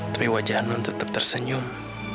tapi wajah anun tetap tersenyum